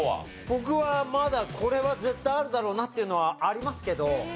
僕はまだこれは絶対あるだろうなっていうのはありますけど。